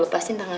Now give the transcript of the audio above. kau mau kemana